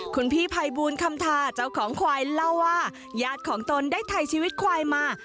คุณพี่ภัยบูลคำทาเจ้าของควายเล่าว่าญาติของตนได้ถ่ายชีวิตควายมา